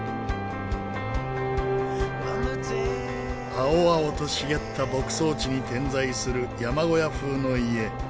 青々と茂った牧草地に点在する山小屋風の家。